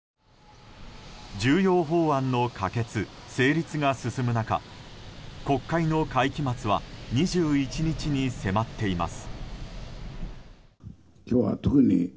重要法案の可決、成立が進む中国会の会期末は２１日に迫っています。